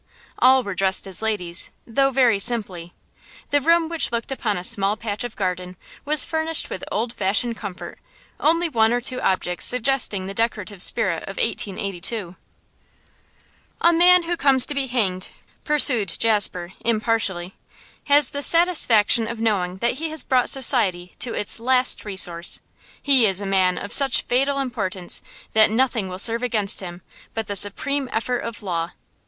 All were dressed as ladies, though very simply. The room, which looked upon a small patch of garden, was furnished with old fashioned comfort, only one or two objects suggesting the decorative spirit of 1882. 'A man who comes to be hanged,' pursued Jasper, impartially, 'has the satisfaction of knowing that he has brought society to its last resource. He is a man of such fatal importance that nothing will serve against him but the supreme effort of law.